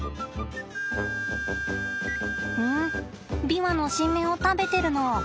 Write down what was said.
ビワの新芽を食べてるの？